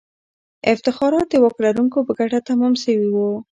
افتخارات د واک لرونکو په ګټه تمام سوي وو.